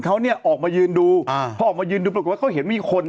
เขาเนี่ยออกมายืนดูอ่าพอออกมายืนดูปรากฏว่าเขาเห็นมีคน